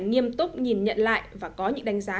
nghiêm túc nhìn nhận lại và có những đánh giá